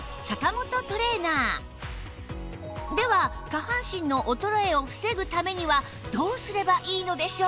下半身の衰えを防ぐためにはどうすればいいのでしょう？